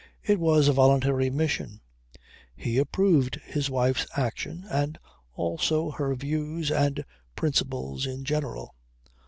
It was a voluntary mission. He approved his wife's action and also her views and principles in general.